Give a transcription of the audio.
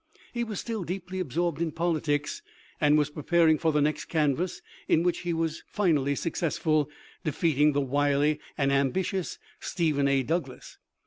He was still deeply absorbed in politics, and was preparing for the next canvass, in which he was fin ally successful — defeating the wily and ambitious Stephen A. Douglas.